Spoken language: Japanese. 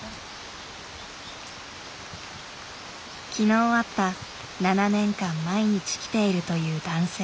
昨日会った７年間毎日来ているという男性。